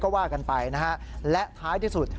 ก็ว่ากันไปนะฮะและท้ายที่สุด